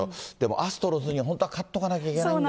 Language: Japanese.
アストロズには本当は勝っとかないといけないんだよな。